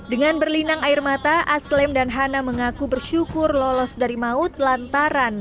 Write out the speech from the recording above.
dengan berlinang air mata aslem dan hana mengaku bersyukur lolos dari maut lantaran